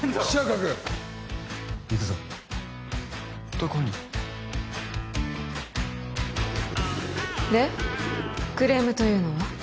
ガク行くぞどこに？でクレームというのは？